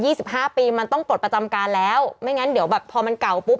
สิบห้าปีมันต้องปลดประจำการแล้วไม่งั้นเดี๋ยวแบบพอมันเก่าปุ๊บ